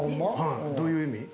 どういう意味？